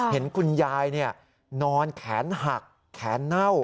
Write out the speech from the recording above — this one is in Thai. เห็นคุณยายนอนแขนหักแขนเน่า